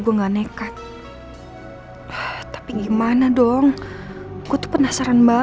aku gak tau lagi gimana caranya